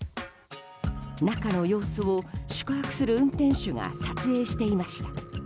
中の様子を宿泊する運転手が撮影していました。